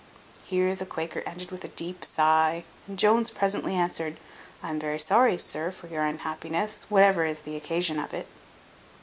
Here the Quaker ended with a deep sigh; and Jones presently answered, "I am very sorry, sir, for your unhappiness, whatever is the occasion of it."